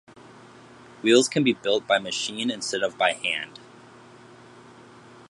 Wheels can be built by machine instead of by hand.